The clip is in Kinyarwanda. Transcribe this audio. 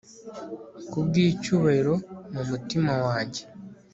Kubwicyubahiro mumutima wanjye